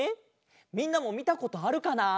みんなもみたことあるかな？